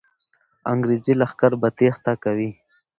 انګریزي لښکر به تېښته کوي.